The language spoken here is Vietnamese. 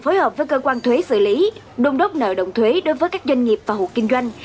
phối hợp với cơ quan thuế xử lý đôn đốc nợ động thuế đối với các doanh nghiệp và hộ kinh doanh